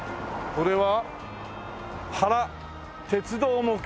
これは。